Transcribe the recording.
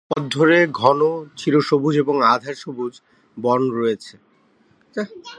নদীর পথ ধরে ঘন চিরসবুজ এবং আধা-সবুজ বন রয়েছে।